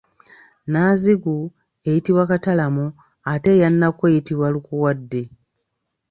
Nnanzigu eyitibwa Katalamo ate eya Nakku eyitibwa Lukuwadde.